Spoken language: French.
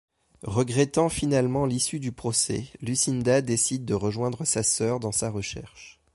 Regrettant finalement l'issue du procès, Lucinda décide de rejoindre sa sœur dans sa recherche.